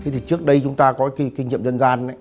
trước đây chúng ta có kinh nghiệm dân gian